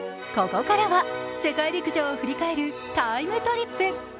ここからは世界陸上を振り返るタイムトリップ。